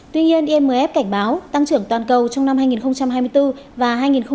tuy nhiên imf cảnh báo tăng trưởng toàn cầu trong năm hai nghìn hai mươi bốn và hai nghìn hai mươi năm